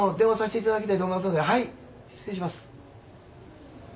はい失礼します。